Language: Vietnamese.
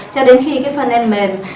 cho đến khi cái phân em mềm